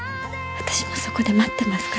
私もそこで待ってますから。